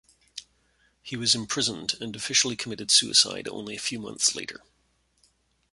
He was imprisoned and officially committed suicide only a few months later.